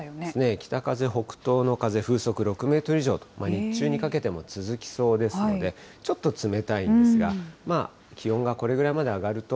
北風、北東の風、風速６メートル以上と日中にかけても続きそうですので、ちょっと冷たいんですが、気温がこれぐらいまで上がると。